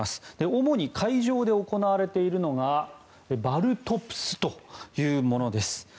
主に海上で行われているのがバルトプスというものです。